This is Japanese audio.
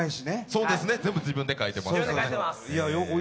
そうですね、全部自分で描いてますからね。